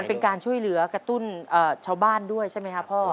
เป็นการช่วยเหลือกระตุ้นชาวบ้านด้วยใช่ไหมครับพ่อ